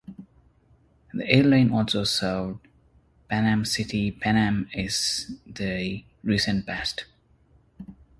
The airline also served Panama City, Panama in the recent past.